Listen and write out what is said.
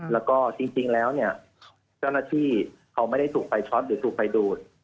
แล้วก็จริงแล้วเนี่ยเจ้าหน้าที่เขาไม่ได้ถูกไฟช็อตหรือถูกไฟดูด